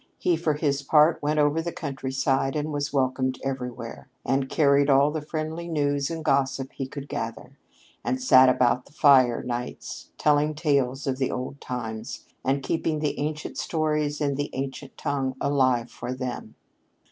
He, for his part, went over the countryside and was welcomed everywhere, and carried all the friendly news and gossip he could gather, and sat about the fire nights, telling tales of the old times, and keeping the ancient stories and the ancient tongue alive for them."